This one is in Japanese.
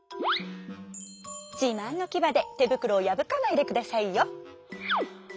「じまんのキバでてぶくろをやぶかないでくださいよ！」。